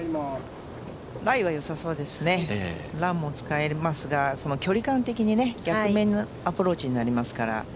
ライは良さそうです、ランも使えますがその距離感的に逆目のアプローチになりますから。